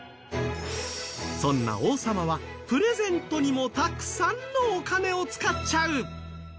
そんな王様は、プレゼントにもたくさんのお金を使っちゃう。